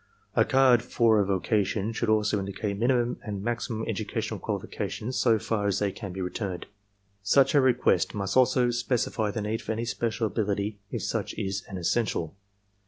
A card for a vocation should also indicate minimum and maximum educational qualifications so far as they can be returned. Such a record must also specify the need for any special ability if such is an essential.